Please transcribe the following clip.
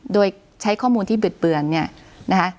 โดยใช้ข้อมูลที่บิดเบือนเนี่ยนะคะ